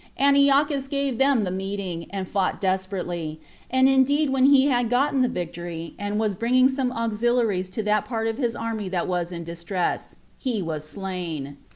Antiochus gave them the meeting, and fought desperately; and indeed when he had gotten the victory, and was bringing some auxiliaries to that part of his army that was in distress, he was slain.